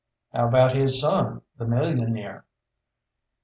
"How about his son, the millionaire?"